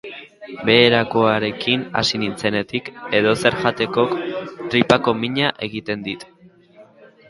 Beherakoarekin hasi nintzenetik, edozer jatekok tripako mina egiten dit.